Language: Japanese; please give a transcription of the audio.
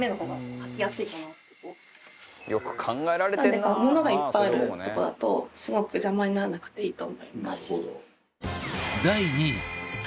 なのでものがいっぱいあるとこだとすごく邪魔にならなくていいと思います。